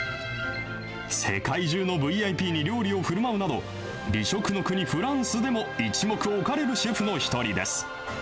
世界中のＶＩＰに料理をふるまうなど、美食の国、フランスでも一目置かれるシェフの一人です。